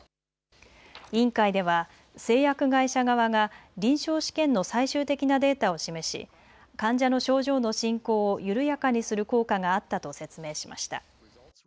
委員会では製薬会社側が臨床試験の最終的なデータを示し患者の症状の進行を緩やかにする効果があったと説明しました。